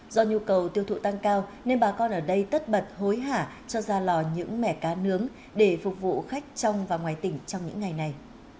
do nhu cầu tiêu thụ tăng cao nên bà con ở đây tất bật hối hả cho ra lò những mẻ cá nướng để phục vụ khách trong và ngoài tỉnh trong những ngày này